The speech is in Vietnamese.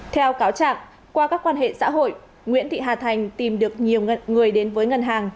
theo cáo trạng qua các quan hệ xã hội nguyễn thị hà thành tìm được nhiều người đến với ngân hàng